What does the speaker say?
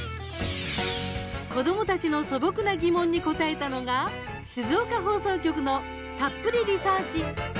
子どもたちの素朴な疑問に応えたのが、静岡放送局の「たっぷりリサーチ」。